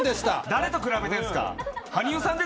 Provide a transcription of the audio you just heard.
誰と比べてるんですか？